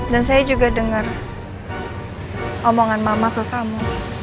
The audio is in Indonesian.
saya juga dengar omongan mama ke kamu